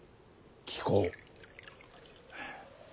聞こう。